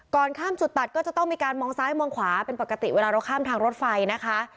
ก่อนข้ามจุดตัดก็จะต้องมีการมองซ้ายมองขวาเป็นปกติเวลาเราข้ามทางรถไฟนะคะ